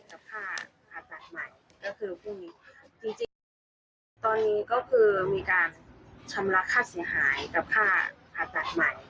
ตอนนี้ก็คือมีการชำระค่าเสียหายกับค่าอาจารย์ใหม่